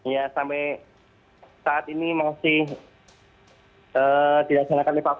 ya sampai saat ini masih dilaksanakan evakuasi